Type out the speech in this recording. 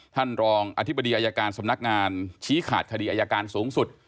ท่านรองอธิบดีอายการสำนักงานชี้ขาดคดีอายการสูงสุด